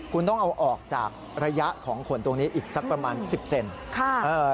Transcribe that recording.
คุณต้องเอาออกจากระยะของขนตรงนี้อีกสักประมาณ๑๐เซน